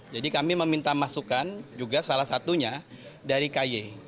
jadi kami meminta masukan juga salah satunya dari ku